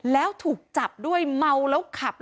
แล้วถูกจับด้วยเมาแล้วขับ